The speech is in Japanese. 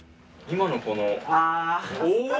今の子の。